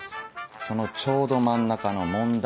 そのちょうど真ん中の問題